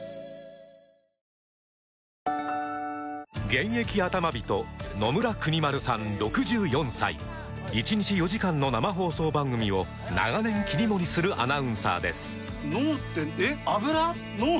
現役アタマ人野村邦丸さん６４歳１日４時間の生放送番組を長年切り盛りするアナウンサーです